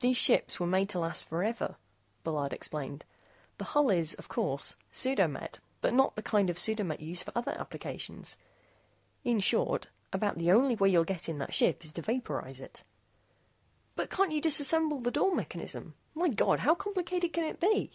"These ships were made to last forever," Bullard explained. "The hull is, of course, pseudo met, but, not the kind of pseudo met used for other applications. In short, about the only way you'll get in that ship is to vaporize it." "But can't you simply disassemble the door mechanism? My God, how complicated can it be?"